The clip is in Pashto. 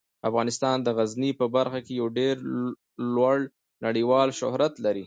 افغانستان د غزني په برخه کې یو ډیر لوړ نړیوال شهرت لري.